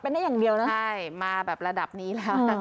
เป็นได้อย่างเดียวนะใช่มาแบบระดับนี้แล้ว